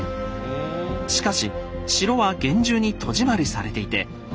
しかし城は厳重に戸締まりされていて中には入れません。